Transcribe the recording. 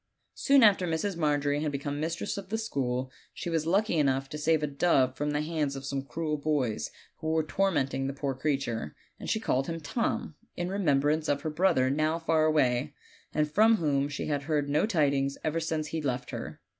Soon after Mrs. Margery had become mistress of the school she was lucky enough to save a dove from the hands of some cruel boys, who Avere tormenting the poor creature, and she called him Tom, in remembrance of her brother now far away, and from whom she had heard no tidings ever since he left her.